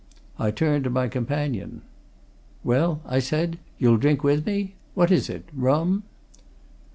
I turned to my companion. "Well?" I said. "You'll drink with me? What is it rum?"